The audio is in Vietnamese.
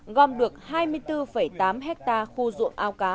gom được hai mươi bốn tám hectare khu ruộng ao cá